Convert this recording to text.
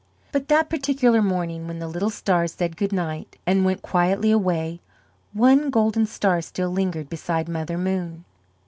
But that particular morning when the little stars said good night and went quietly away, one golden star still lingered beside Mother Moon.